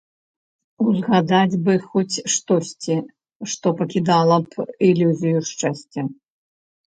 Узгадаць бы хоць штосьці, што пакідала б ілюзію шчасця.